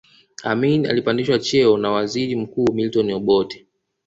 Amin alipandishwa cheo na waziri mkuu Milton Obote